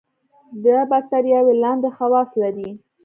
دا باکتریاوې لاندې خواص لري.